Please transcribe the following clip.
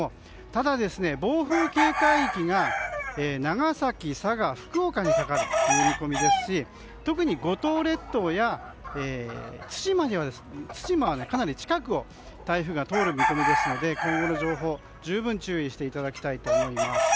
ただ暴風警戒域が長崎、佐賀、福岡にかかる見込みですし特に五島列島や対馬はかなり近くを台風が通る見込みですので今後の情報に十分注意していただきたいと思います。